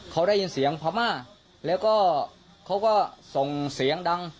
เขาได้ยินเสียงพม่าแล้วก็เขาก็ส่งเสียงดัง